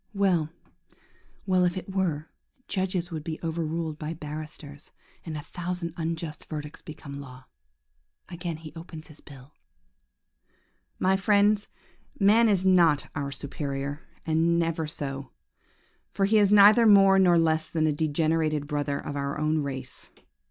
. Well, well, if it were, judges would be overruled by barristers, and a thousand unjust verdicts become law. Again he opens his bill. ... "My friends, man is not our superior, was never so, for he is neither more nor less than a degenerated brother of our own race!